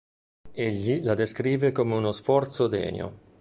Egli la descrive come uno "sforzo degno".